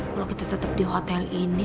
kalau kita tetap di hotel ini